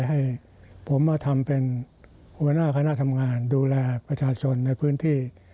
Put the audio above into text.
ให้ผมมาทำเป็นหัวหน้าคณะทำงานดูแลประชาชนในพื้นที่